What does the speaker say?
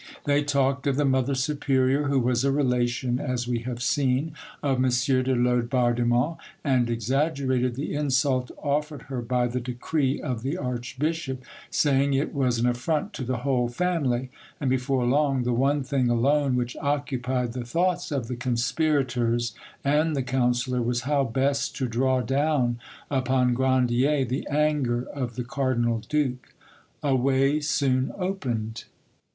They talked of the mother superior, who was a relation, as we have seen, of M. de Laubardemont, and exaggerated the insult offered her by the decree of the archbishop, saying it was an affront to the whole family; and before long the one thing alone which occupied the thoughts of the conspirators and the councillor was how best to draw down upon Grandier the anger of the cardinal duke. A way soon opened.